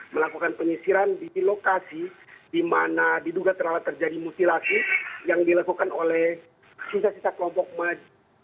melakukan pengisiran di lokasi di mana diduga terlalu terjadi mutilasi yang dilakukan oleh susah susah kelompok maju